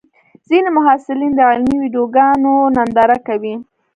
ځینې محصلین د علمي ویډیوګانو ننداره کوي.